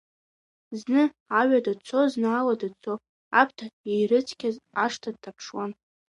Зны аҩада дцо, зны алада дцо, Аԥҭа иирыцқьаз ашҭа дҭаԥшуан.